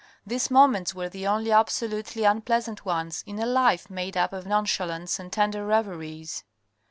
These moments were the only absolutely unpleasant ones in a life made up of nonchalance and tender reveries.